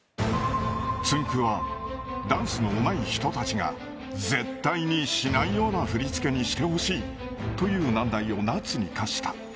つんく♂は、ダンスのうまい人たちが絶対にしないような振り付けにしてほしいという難題を夏に課した。